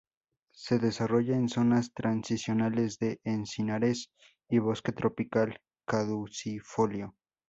Se desarrolla en zonas transicionales de encinares y bosque tropical caducifolio.